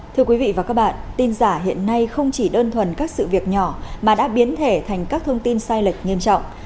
thưa quý vị và các bạn tin giả hiện nay không chỉ đơn thuần các sự việc nhỏ mà đã biến thể thành các thông tin sai lệch nghiêm trọng